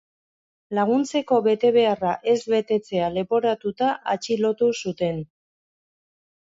Laguntzeko betebeharra ez betetzea leporatuta atxilotu zuten.